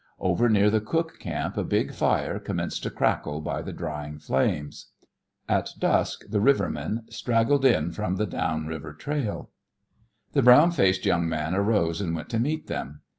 Over near the cook camp a big fire commenced to crackle by the drying frames. At dusk the rivermen straggled in from the down river trail. The brown faced young man arose and went to meet them.